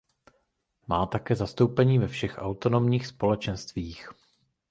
Má také zastoupení ve všech autonomních společenstvích.